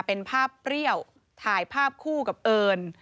เป็นภาพเปรี้ยวถ่ายภาพคู่กับเอิญ